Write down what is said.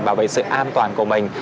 bảo vệ sự an toàn của mình